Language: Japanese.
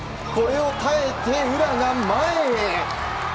これを耐えて、宇良が前へ。